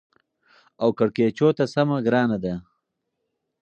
او کېړکیچو ته سمه ګرانه ده.